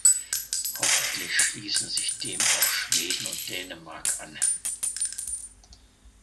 Hoffentlich schließen sich dem auch Schweden und Dänemark an.